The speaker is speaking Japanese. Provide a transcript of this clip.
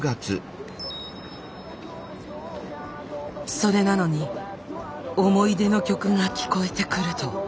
それなのに思い出の曲が聞こえてくると。